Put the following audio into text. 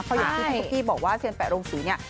เพราะอย่างที่พี่ตุ๊กกี้บอกว่าเซียนแปะโรงศรีเนี่ย